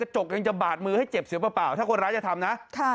จกยังจะบาดมือให้เจ็บเสียเปล่าถ้าคนร้ายจะทำนะ